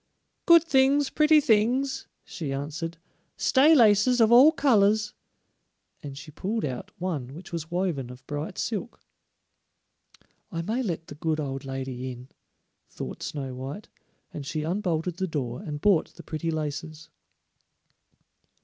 "Good things, pretty things," she answered; "stay laces of all colors," and she pulled out one which was woven of bright silk. "I may let the good old woman in," thought Snow white, and she unbolted the door and bought the pretty laces.